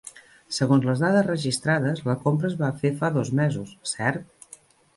Segons les dades registrades la compra es va fer fa dos mesos, cert?